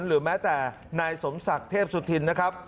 หรือแม้แต่นายสมศักดิ์เทพสุธินนะครับ